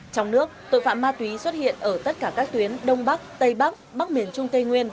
trong nước tội phạm ma túy xuất hiện ở tất cả các tuyến đông bắc tây bắc bắc miền trung tây nguyên